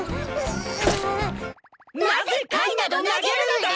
なぜ貝など投げるんだ！